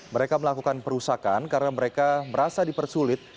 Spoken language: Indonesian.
mereka melakukan perusakan karena mereka merasa dipersulit